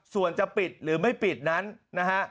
ส่วนจะปิดหรือไม่ปิดนั้นนะฮะ